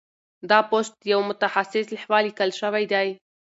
دا پوسټ د یو متخصص لخوا لیکل شوی دی.